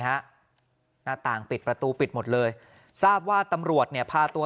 หน้าต่างปิดประตูปิดหมดเลยทราบว่าตำรวจเนี่ยพาตัว